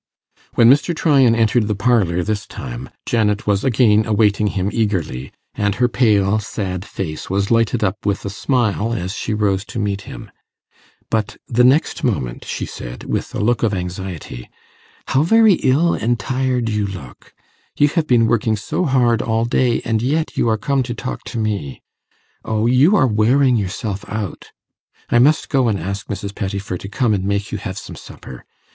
When Mr. Tryan entered the parlour this time, Janet was again awaiting him eagerly, and her pale sad face was lighted up with a smile as she rose to meet him. But the next moment she said, with a look of anxiety, 'How very ill and tired you look! You have been working so hard all day, and yet you are come to talk to me. O, you are wearing yourself out. I must go and ask Mrs. Pettifer to come and make you have some supper.